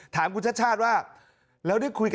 ถามคุณชาติชาติว่าแล้วได้คุยกับ